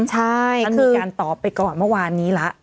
ท่านมีการตอบไปก่อนเมื่อวานนี้ละ